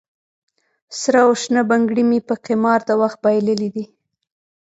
سره او شنه بنګړي مې په قمار د وخت بایللې دي